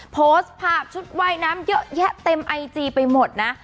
โพสต์ภาพชุดว่ายน้ำเยอะแยะเต็มไอจีไปหมดนะ